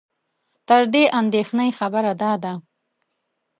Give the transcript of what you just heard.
تر دې اندېښنې خبره دا ده